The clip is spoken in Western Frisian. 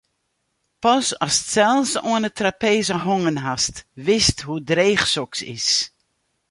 Pas ast sels oan 'e trapeze hongen hast, witst hoe dreech soks is.